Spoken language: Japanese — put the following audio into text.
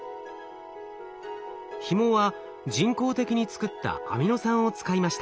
ひもは人工的に作ったアミノ酸を使いました。